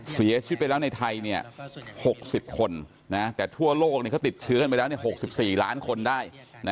เสียชีวิตไปแล้วในไทย๖๐คนแต่ทั่วโลกเขาติดเชื้อกันไปแล้ว๖๔ล้านคนได้